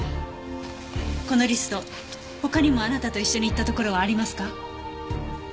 このリスト他にもあなたと一緒に行ったところはありますか？